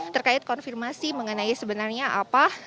terkait konfirmasi mengenai ledakan yang terjadi pada pagi hari ini